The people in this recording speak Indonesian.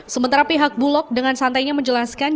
sementara pihak bulog dengan santainya menjelaskan